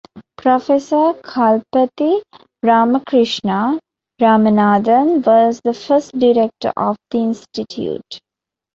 Professor Kalpathi Ramakrishna Ramanathan was the first Director of the institute.